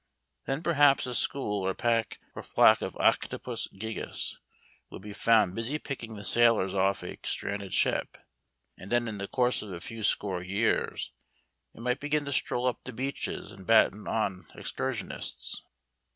Then perhaps a school or pack or flock of Octopus gigas would be found busy picking the sailors off a stranded ship, and then in the course of a few score years it might begin to stroll up the beaches and batten on excursionists.